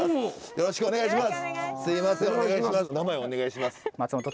よろしくお願いします。